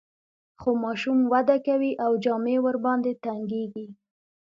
خو ماشوم وده کوي او جامې ورباندې تنګیږي.